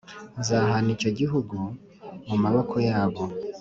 Nzahana icyo gihugu mu maboko yabo.”